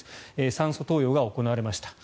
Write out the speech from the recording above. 酸素投与が行われました。